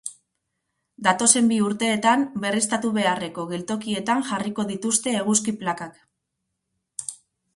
Datozen bi urteetan berriztatu beharreko geltokietan jarriko dituzte eguzki plakak.